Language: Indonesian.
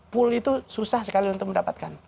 pool itu susah sekali untuk mendapatkan